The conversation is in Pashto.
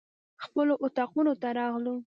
خپلو اطاقونو ته راغلو.